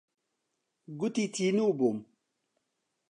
گوتی تینوو بووم.